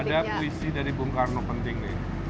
ada puisi dari bung karno penting nih